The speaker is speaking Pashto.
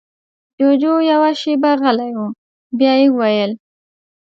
جُوجُو يوه شېبه غلی و، بيا يې وويل: